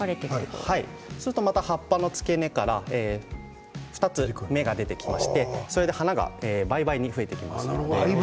そうすると葉っぱの付け根から２つ、芽が出てきまして花が倍々に増えていきます。